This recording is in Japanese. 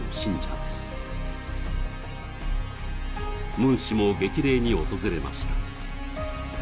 ムン氏も激励に訪れました。